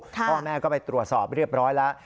พ่อแม่ก็ไปตรวจสอบเรียบร้อยแล้ว